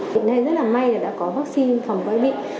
bệnh này rất là may là đã có vaccine phòng quay bị